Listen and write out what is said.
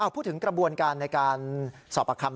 พูดถึงกระบวนการในการสอบประคำ